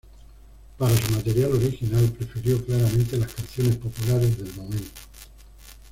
Para su material original, prefirió claramente las canciones populares del momento.